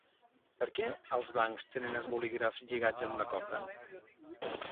Per què als bancs tenen els bolígrafs lligats amb una corda?